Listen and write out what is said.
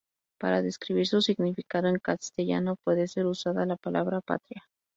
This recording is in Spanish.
Para describir su significado en castellano puede ser usado la palabra "patria".